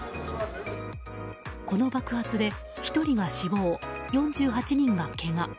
この爆発で１人が死亡、４８人がけが。